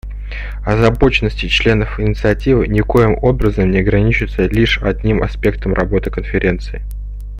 Озабоченности членов Инициативы никоим образом не ограничиваются лишь одним аспектом работы Конференции.